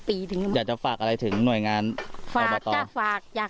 ปีถึงอยากจะฝากอะไรถึงหน่วยงานฝากจะฝากอยาก